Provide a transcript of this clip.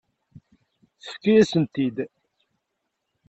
Tefka-yasent-t-id.